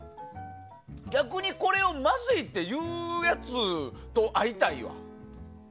逆にこれをまずいっていうやつと会いたいわ。